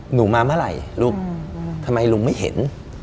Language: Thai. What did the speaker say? หนูมาเมื่อไหร่ลูกทำไมลุงไม่เห็น